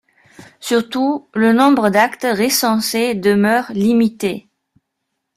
Surtout, le nombre d'actes recensés demeure limité.